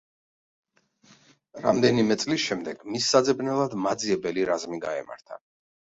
რამდენიმე წლის შემდეგ მის საძებნელად მაძიებელი რაზმი გაემართა.